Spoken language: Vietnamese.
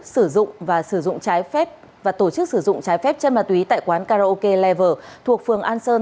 sử dụng và tổ chức sử dụng trái phép chân ma túy tại quán karaoke lever thuộc phường an sơn